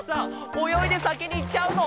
およいでさきにいっちゃうの？